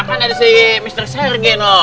kan ada si mr sergeno